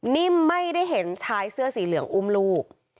นิ่มไม่ได้เห็นชายเสื้อสีเหลืองอุ้มลูก